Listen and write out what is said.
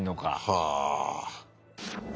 はあ。